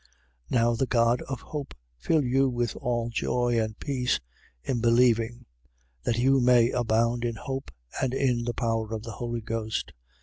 15:13. Now the God of hope fill you with all joy and peace in believing: that you may abound in hope and in the power of the Holy Ghost.